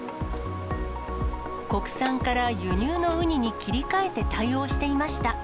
国産から輸入のウニに切り替えて対応していました。